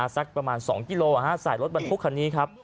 สักประมาณ๒กิโลใส่รถบรรทุกคันนี้ครับ